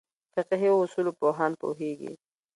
فقهې اصولو پوهان پوهېږي.